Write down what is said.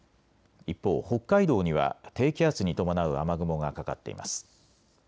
一方、北海道には低気圧に伴う雨雲がかかっています。